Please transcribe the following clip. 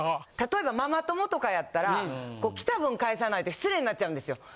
例えばママ友とかやったら、来た分返さないと失礼になっちゃうんですよ。